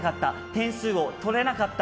点数を取れなかった。